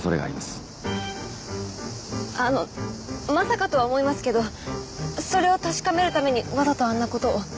あのまさかとは思いますけどそれを確かめるためにわざとあんな事を？